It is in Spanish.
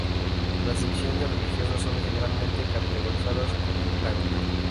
Las visiones religiosas son generalmente categorizadas como milagros.